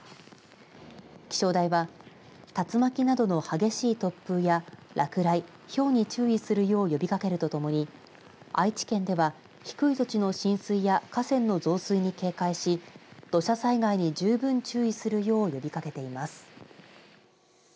気象台は竜巻などの激しい突風や落雷ひょうに注意するよう呼びかけるとともに愛知県では低い土地の浸水や河川の増水に警戒し土砂災害に十分注意するよう呼びかけています。